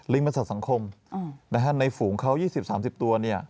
ลิงประสาทสังคมในฝูงเขา๒๐๓๐ตัว